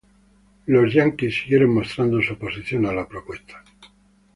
Los americanos siguieron mostrando su oposición a la propuesta.